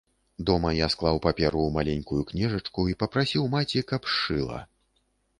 Дома я склаў паперу ў маленькую кніжачку і папрасіў маці, каб сшыла.